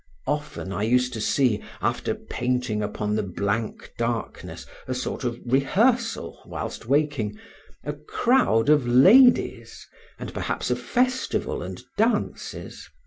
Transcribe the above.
Often I used to see, after painting upon the blank darkness a sort of rehearsal whilst waking, a crowd of ladies, and perhaps a festival and dances.